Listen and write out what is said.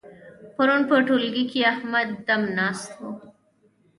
پرون په ټولګي کې احمد دم ناست وو.